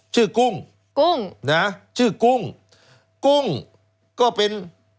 กุ้งกุ้งนะชื่อกุ้งกุ้งก็เป็น